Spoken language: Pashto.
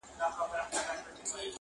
خوی دمیړه زړه دزمري